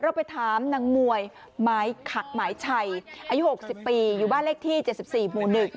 เราไปถามนางมวยหมายไฉอายุ๖๐ปีอยู่บ้านเลขที่๗๔หมู่๑